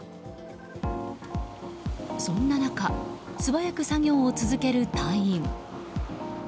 そんな中素早く作業を続ける隊員。